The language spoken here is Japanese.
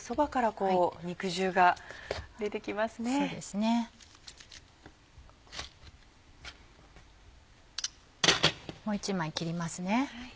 もう一枚切りますね。